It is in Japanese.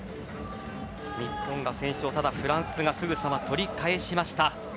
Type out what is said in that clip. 日本が先勝、フランスがすぐさま取り返しました。